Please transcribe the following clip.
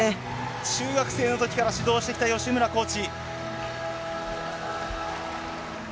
中学生の時から指導してきた吉村コーチ。